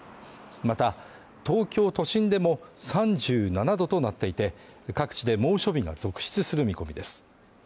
また、東京都心でも３７度となっていて、各地で猛暑日が続出する見込みです。